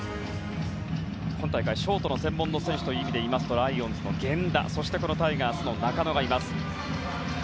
今大会ショートの専門の選手という意味で言いますとライオンズの源田タイガースの中野がいます。